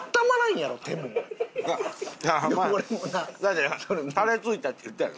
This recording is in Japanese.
だって「タレ付いた」って言ったやろ。